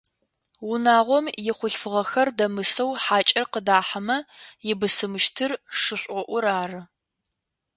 Унагъом ихъулъфыгъэхэр дэмысэу хьакӏэр къыдахьэмэ ибысымыщтыр шышӏоӏур ары.